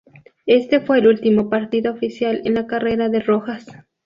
Este fue el último partido oficial en la carrera de Rojas.